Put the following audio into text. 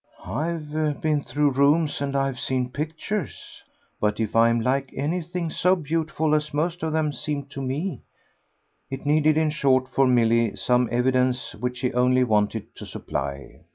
"I've been through rooms and I've seen pictures. But if I'm 'like' anything so beautiful as most of them seemed to me !" It needed in short for Milly some evidence which he only wanted to supply.